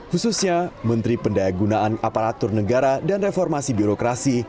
khususnya menteri pendaya gunaan aparatur negara dan reformasi birokrasi